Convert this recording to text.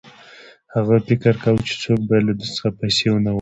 هغه فکر کاوه چې څوک باید له ده څخه پیسې ونه غواړي